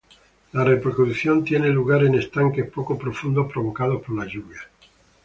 La reproducción tiene lugar en estanques poco profundos provocados por las lluvias.